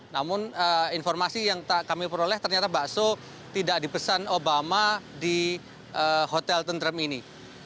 namun informasi yang kami peroleh ternyata bakso tidak dipesan obama di hotel tentrem ini